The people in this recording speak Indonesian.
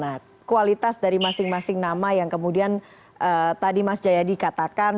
nah kualitas dari masing masing nama yang kemudian tadi mas jayadi katakan